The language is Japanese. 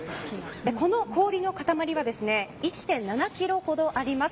この氷の塊は１．７キロほどあります。